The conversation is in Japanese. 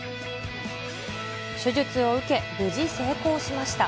手術を受け、無事成功しました。